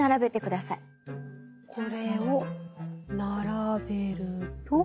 これを並べると。